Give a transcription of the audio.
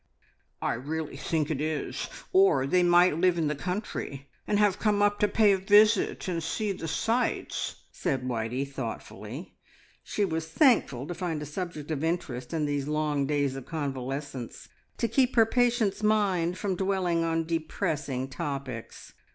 "I really think it is. Or they might live in the country and have come up to pay a visit and see the sights," said Whitey thoughtfully. She was thankful to find a subject of interest in these long days of convalescence to keep her patient's mind from dwelling on depressing topics.